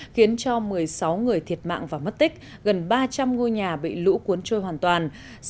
khiến cho một mươi sáu người thiệt mạng và mất tích gần ba trăm linh ngôi nhà bị lũ cuốn trôi hoàn toàn